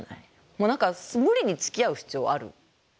もう何か無理につきあう必要ある？